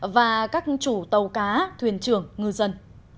và các chủ tàu cá thuyền trưởng ngư dân